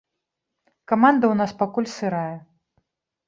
Каманда ў нас пакуль сырая.